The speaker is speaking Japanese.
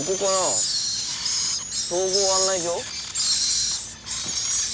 総合案内所？